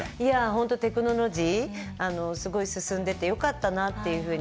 テクノロジーすごい進んでてよかったなっていうふうに。